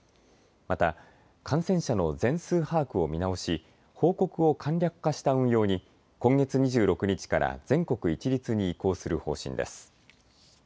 また感染者の全数把握を見直し報告を簡略化した運用に今月２６日から全国一律に移行する方針です。